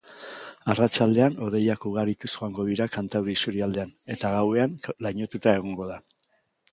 Arratsaldean hodeiak ugarituz joango dira kantauri isurialdean, eta gauean lainotuta egongo da.